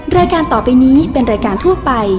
รายการต่อไปนี้เป็นรายการทั่วไป